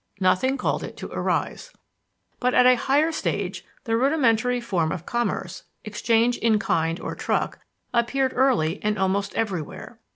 Nothing called it to arise. But at a higher stage the rudimentary form of commerce, exchange in kind or truck, appeared early and almost everywhere.